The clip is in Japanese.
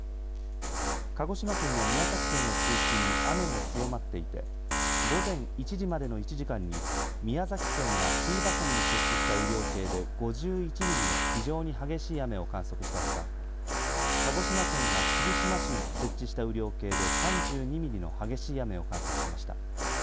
鹿児島県や宮崎県を中心に雨も強まっていて午前１時までの１時間には宮崎県が椎葉村に設置した雨量計で５１ミリの非常に激しい雨を観測したほか、鹿児島県が霧島市に設置した雨量計で３２ミリの激しい雨を観測しました。